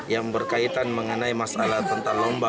yang berkaitan mengenai masalah tentang lomba